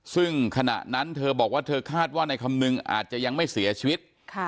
ซึ่งขณะนั้นเธอบอกว่าเธอคาดว่าในคำนึงอาจจะยังไม่เสียชีวิต